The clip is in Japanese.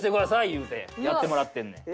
言うてやってもらってんねん。